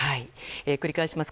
繰り返します。